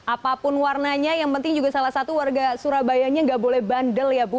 apapun warnanya yang penting juga salah satu warga surabayanya nggak boleh bandel ya bu